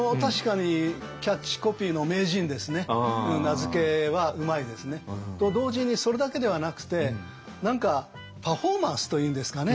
名付けはうまいですね。と同時にそれだけではなくて何かパフォーマンスというんですかね